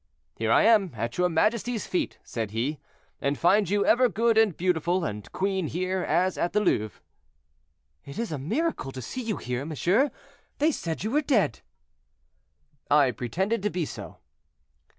"Here I am at your majesty's feet," said he, "and find you ever good and beautiful, and queen here, as at the Louvre." "It is a miracle to see you here, monsieur; they said you were dead." "I pretended to be so."